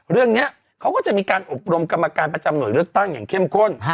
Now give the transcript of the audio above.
เรื่องนี้เขาก็จะมีการอบรมกรรมการประจำหน่วยเลือกตั้งอย่างเข้มข้น